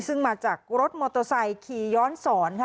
ซึ่งมาจากรถมอตโตไซค์ข่าย้อนศรค่ะ